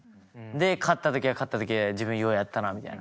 で勝った時は勝った時で「自分ようやったな」みたいな。